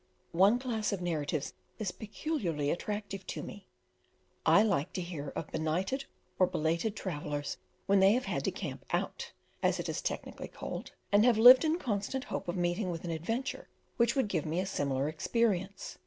One class of narratives is peculiarly attractive to me. I like to hear of benighted or belated travellers when they have had to "camp out," as it is technically called; and have lived in constant hope of meeting with an adventure which would give me a similar experience.